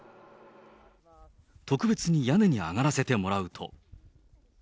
特別に屋根に上がらせてもらうと。